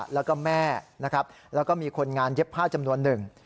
แล้วก็แม่นะครับแล้วก็มีคนงานเย็บผ้าจำนวนหนึ่ง